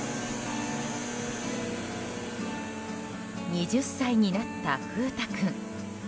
２０歳になった風太君。